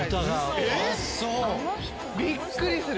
びっくりする。